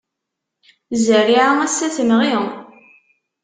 Zzeriεa ass-a temɣi.